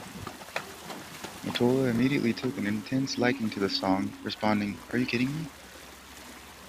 Mottola immediately took an intense liking to the song, responding, Are you kidding me?